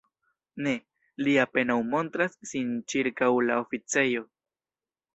Ne, li apenaŭ montras sin ĉirkaŭ la oficejo.